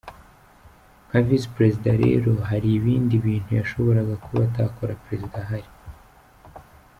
Nka Visi Perezida rero hari ibindi bintu yashoboraga kuba atakora Perezida ahari.